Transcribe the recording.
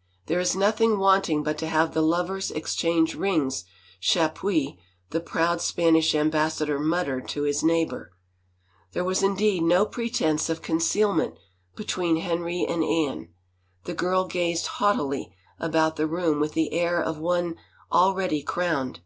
" There is nothing wanting but to have the lovers exchange rings," Chapuis, the proud Spanish Ambassa dor, muttered to his neighbor. There was indeed no pretense of concealment between Henry and Anne. The girl gazed haughtily about the room with the air of one already crowned.